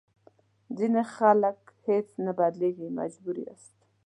ځینې خلک هېڅ نه بدلېږي مجبور یاست.